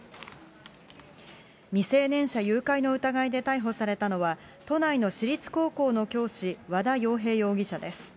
未成年者誘拐の疑いで逮捕されたのは、都内の私立高校の教師、和田洋平容疑者です。